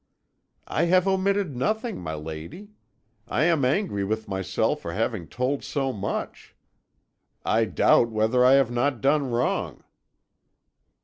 "I have omitted nothing, my lady. I am angry with myself for having told so much. I doubt whether I have not done wrong."